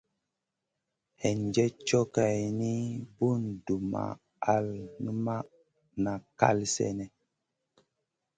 Hinjèd cow geyni, bùn dumʼma al numʼma na kal sènèh.